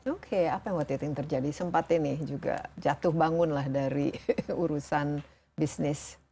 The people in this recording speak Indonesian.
oke apa yang waktu itu yang terjadi sempat ini juga jatuh bangun lah dari urusan bisnis